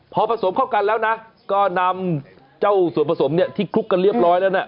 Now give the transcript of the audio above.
พอผสมเข้ากันแล้วก็นำส่วนผสมที่กลุ่มกันเรียบร้อยแล้ว